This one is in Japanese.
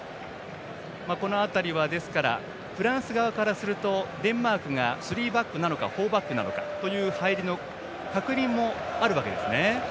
この辺りはフランス側からするとデンマークがスリーバックなのかフォーバックなのかという入りの確認もあるわけですね。